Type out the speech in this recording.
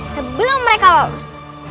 sebelum mereka larus